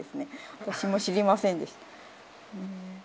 私も知りませんでした。